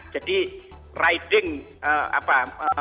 jadi riding apa